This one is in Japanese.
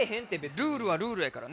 ルールはルールやからね。